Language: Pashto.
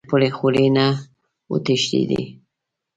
له خپلې خولې نه و تښتېدلی.